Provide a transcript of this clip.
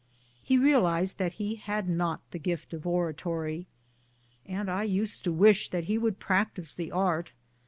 He realized that he had not the gift of oratory, and I used to wish that he would practise the art.